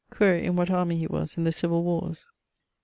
Quaere in what army he was in the Civill Warres.